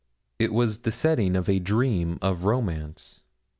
It was the setting of a dream of romance.